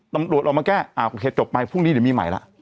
ตำรวจเอามาแก้อ่าโอเคจบไปพรุ่งนี้เดี๋ยวมีใหม่แล้ว